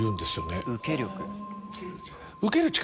受ける力？